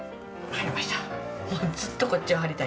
貼りました。